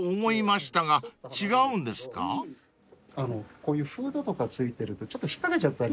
こういうフードとか付いてるとちょっと引っ掛けちゃったり。